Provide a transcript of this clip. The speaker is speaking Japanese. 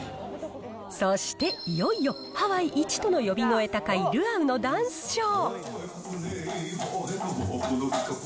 そしていよいよハワイ一との呼び声高いルアウのダンスショー。